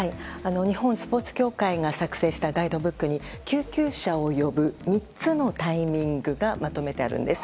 日本スポーツ協会が作成したガイドブックに救急車を呼ぶ３つのタイミングがまとめてあるんです。